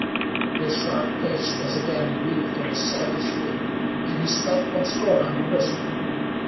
His sharp face was again wreathed in a savage leer, and he spat once more on the prisoner.